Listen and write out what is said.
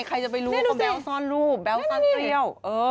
ใครจะไปรู้ว่าแบลวซ่อนรูปแบลวซ่อนตัวเดียว